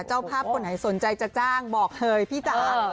เจ้าภาพคนไหนสนใจจะจ้างบอกเลยพี่จ๋า